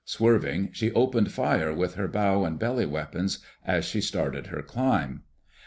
Swerving, she opened fire with her bow and belly weapons as she started her climb.